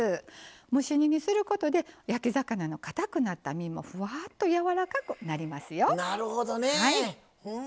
蒸し煮にすることで焼き魚のかたくなった身もふわっとやわらかくなりますよ。